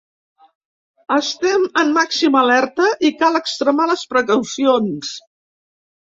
Estem en màxima alerta i cal extremar les precaucions.